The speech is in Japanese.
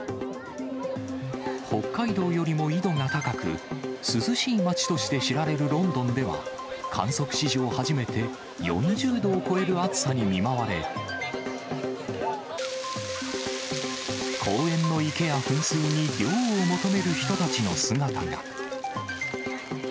北海道よりも緯度が高く、涼しい町として知られるロンドンでは、観測史上初めて、４０度を超える暑さに見舞われ、公園の池や噴水に涼を求める人たちの姿が。